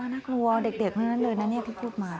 น่ากลัวเด็กเลยนะที่พูดมา